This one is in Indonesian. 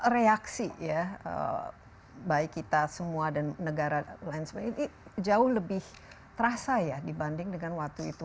reaksi ya baik kita semua dan negara lain sebagainya ini jauh lebih terasa ya dibanding dengan waktu itu